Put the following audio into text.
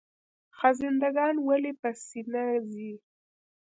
خزنده ګان ولې په سینه ځي؟